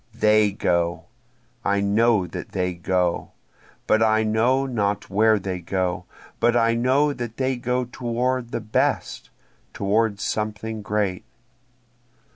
they go! I know that they go, but I know not where they go, But I know that they go toward the best toward something great.